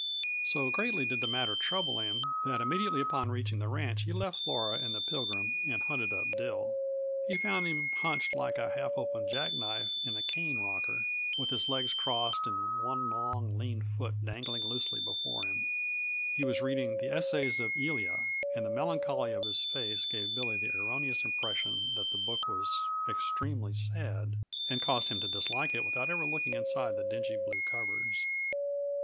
So greatly did the matter trouble him that immediately upon reaching the ranch he left Flora and the Pilgrim and hunted up Dill. He found him hunched like a half open jackknife in a cane rocker, with his legs crossed and one long, lean foot dangling loosely before him; he was reading "The Essays of Elia," and the melancholy of his face gave Billy the erroneous impression that the book was extremely sad, and caused him to dislike it without ever looking inside the dingy blue covers.